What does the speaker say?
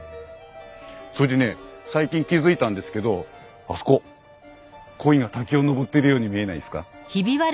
それでね最近気付いたんですけどあそこ鯉が滝を登ってるように見えないですか？